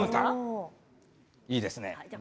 いいですね。